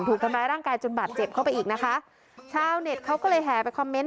ถูกทำร้ายร่างกายจนบาดเจ็บเข้าไปอีกนะคะชาวเน็ตเขาก็เลยแห่ไปคอมเมนต